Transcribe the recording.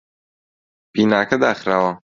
بیناکە داخراوە.